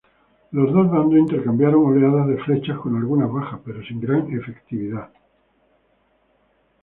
Los dos bandos intercambiaron oleadas de flechas, con alguna baja pero sin gran efectividad.